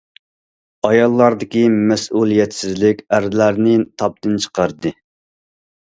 ئاياللاردىكى مەسئۇلىيەتسىزلىك ئەرلەرنى تاپتىن چىقاردى.